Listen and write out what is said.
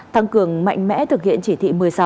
tăng cường mạnh mẽ thực hiện chỉ thị một mươi sáu